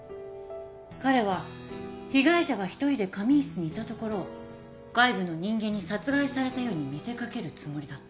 彼は被害者が１人で仮眠室にいたところを外部の人間に殺害されたように見せかけるつもりだった。